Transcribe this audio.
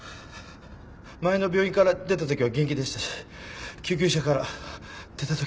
前の病院から出た時は元気でしたし救急車から出た時も意識があって。